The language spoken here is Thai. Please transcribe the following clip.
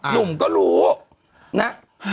หนุ่มก็รู้นะ